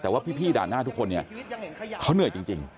แต่ว่าพี่ด่านหน้าทุกคนเนี่ยเขาเหนื่อยจริง